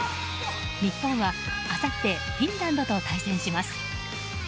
日本はあさってフィンランドと対戦します。